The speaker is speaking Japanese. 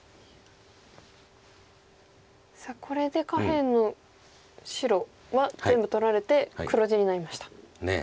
さあこれで下辺の白は全部取られて黒地になりました。